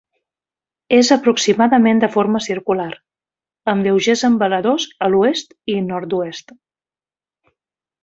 És aproximadament de forma circular, amb lleugers embaladors a l'oest i nord-oest.